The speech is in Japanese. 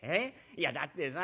いやだってさ